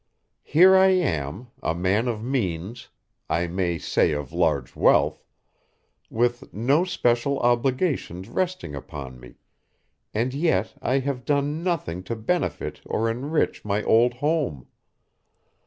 "Here I am, a man of means, I may say of large wealth, with no special obligations resting upon me, and yet I have done nothing to benefit or enrich my old home.